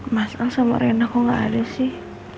mas al sama rena kok nggak ada sih